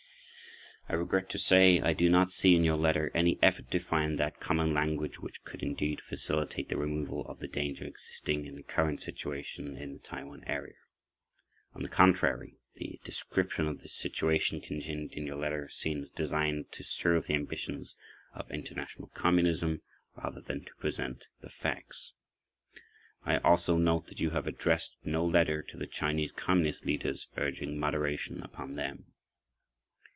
I regret to say I do not see in your letter any effort to find that common language which could indeed facilitate the removal of the danger existing in the current situation in the Taiwan area. On the contrary, the description of this situation contained in your letter seems designed to serve the ambitions of international communism rather than to present the facts. I also note that you have addressed no letter to the Chinese Communist leaders urging moderation upon them.